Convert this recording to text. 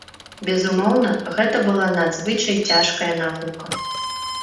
Безумоўна, гэта была надзвычай цяжкая навука.